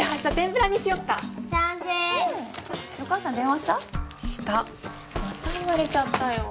また言われちゃったよ。